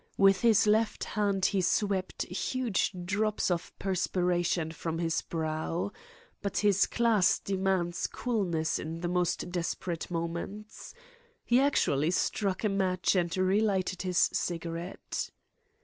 With his left hand he swept huge drops of perspiration from his brow. But his class demands coolness in the most desperate moments. He actually struck a match and relighted his cigarette.